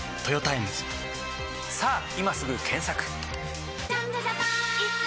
さぁ今すぐ検索！